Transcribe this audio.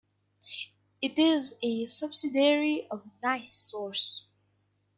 It is a subsidiary of NiSource.